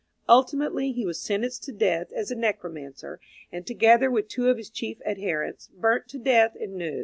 Ultimately, he was sentenced to death as a necromancer, and, together with two of his chief adherents, burnt to death in Nuz.